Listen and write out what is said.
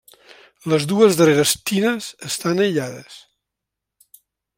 Les dues darreres tines estan aïllades.